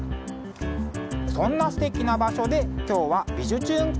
そんなすてきな場所で今日は「びじゅチューン！